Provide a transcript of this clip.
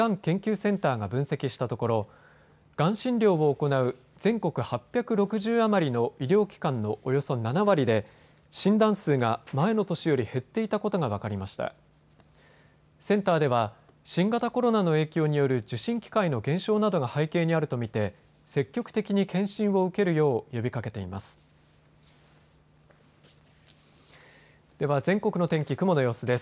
センターでは新型コロナの影響による受診機会の減少などが背景にあると見て積極的に検診を受けるよう呼びかけています。